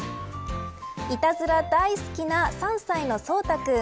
いたずら大好きな３歳のそうたくん。